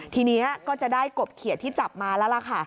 ทีนี้ก็จะได้กบเขียดที่จับมาแล้วล่ะค่ะ